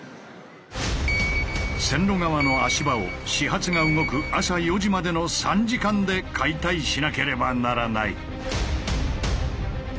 線路側の足場を始発が動く朝４時までの３時間で解体しなければならない。